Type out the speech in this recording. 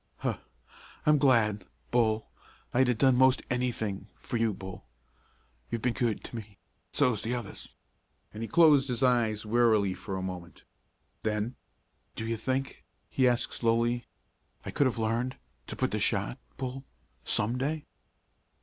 "Huh! I'm glad Bull. I'd 'a' done most anything for you, Bull. You've been good to me; so's the others." He closed his eyes wearily for a moment. Then, "Do you think," he asked slowly, "I could have learned to put the shot, Bull some day?"